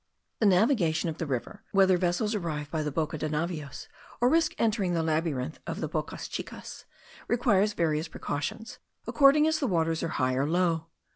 The navigation of the river, whether vessels arrive by the Boca de Navios, or risk entering the labyrinth of the bocas chicas, requires various precautions, according as the waters are high or low.